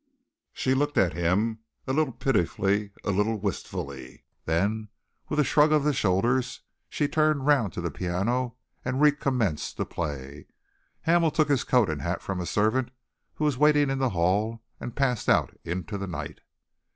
She looked at him a little pitifully, a little wistfully. Then, with a shrug of the shoulders, she turned round to the piano and recommenced to play. Hamel took his coat and hat from a servant who was waiting in the hall and passed out into the night.